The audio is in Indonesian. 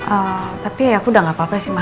eh tapi ya aku udah gapapa sih ma